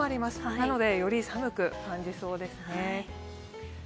なのでより寒く感じそうですね。